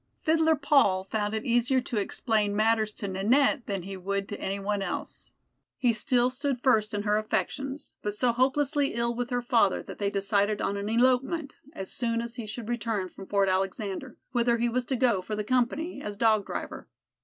Fiddler Paul found it easier to explain matters to Ninette than he would to any one else. He still stood first in her affections, but so hopelessly ill with her father that they decided on an elopement, as soon as he should return from Fort Alexander, whither he was to go for the Company, as dog driver.